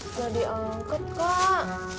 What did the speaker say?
udah diangkat kak